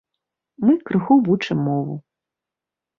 Мы крыху вучым мову.